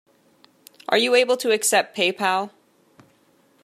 Are you able to accept Paypal?